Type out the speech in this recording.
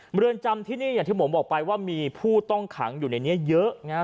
เรือนจำที่นี่อย่างที่ผมบอกไปว่ามีผู้ต้องขังอยู่ในนี้เยอะนะฮะ